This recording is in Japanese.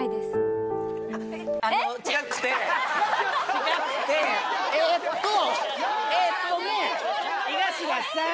違くてえーっとえーっとね井頭さん？